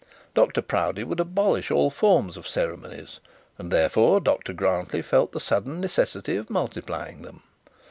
Dr Proudie would abolish all forms and ceremonies, and therefore Dr Grantly felt the sudden necessity of multiplying them.